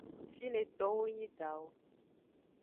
Fine towo nyi edawo.